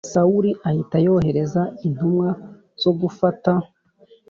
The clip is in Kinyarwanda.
Sawuli ahita yohereza intumwa zo gufata